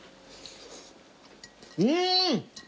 うん！